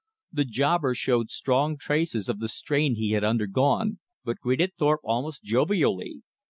The jobber showed strong traces of the strain he had undergone, but greeted Thorpe almost jovially.